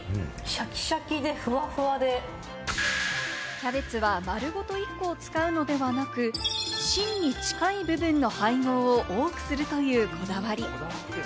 キャベツは丸ごと１個を使うのではなく、芯に近い部分の配合を多くするというこだわり。